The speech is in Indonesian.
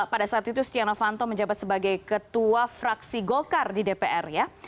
pada saat itu setia novanto menjabat sebagai ketua fraksi golkar di dpr ya